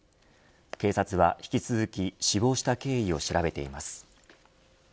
警察は引き続き死亡した経緯を調べています。